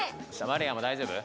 マリアも大丈夫？